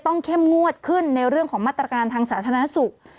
เข้มงวดขึ้นในเรื่องของมาตรการทางสาธารณสุข